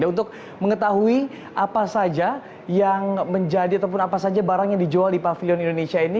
dan untuk mengetahui apa saja yang menjadi ataupun apa saja barang yang dijual di pavilion indonesia ini